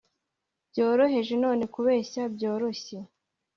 byoroheje, none kubeshya byoroshye